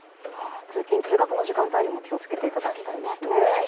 通勤・通学の時間帯にも気をつけていただきたいですね。